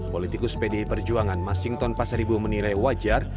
politikus pdi perjuangan mas sington pasar ibu menilai wajar